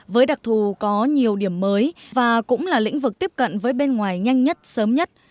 với đặc thù có nhiều điểm mới và cũng là lĩnh vực tiếp cận với bên ngoài nhanh nhất sớm nhất